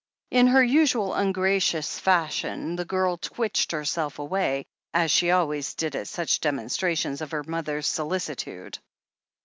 In her usual ungracious fashion the girl twitched herself away, as she always did at such demonstrations of her mother's solicitude.